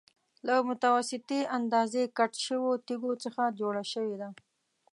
له متوسطې اندازې کټ شویو تېږو څخه جوړه شوې ده.